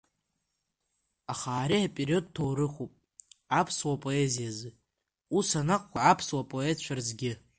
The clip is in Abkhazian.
Аха ари апериод ҭоурыхуп аԥсуа поезиазы, ус анакәха аԥсуа поетцәа рзгьы.